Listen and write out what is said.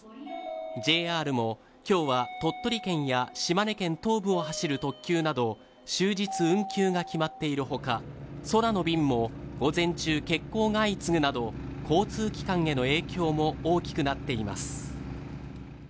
ＪＲも今日は鳥取県や島根県東部を走る特急など終日運休が決まっているほか空の便も午前中欠航が相次ぐなど交通機関への影響も大きくなっています